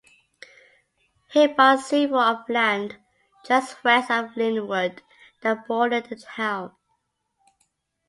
He bought several of land just west of Linwood that bordered the town.